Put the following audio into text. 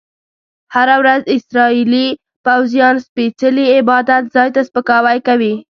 هره ورځ اسرایلي پوځیان سپیڅلي عبادت ځای ته سپکاوی کوي.